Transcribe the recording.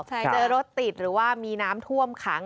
เจอรถติดหรือว่ามีน้ำท่วมขัง